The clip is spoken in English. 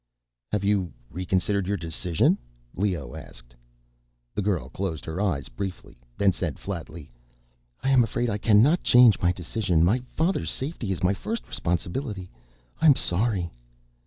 "Have you reconsidered your decision?" Leoh asked. The girl closed her eyes briefly, then said flatly, "I am afraid I cannot change my decision. My father's safety is my first responsibility. I am sorry."